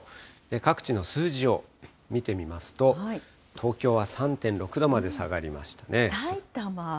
各地の数字を見てみますと、東京は３．６度まで下がりましたね。